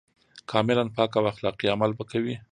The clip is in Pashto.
کاملاً پاک او اخلاقي عمل به کوي.